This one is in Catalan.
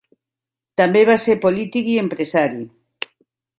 També va ser polític i empresari.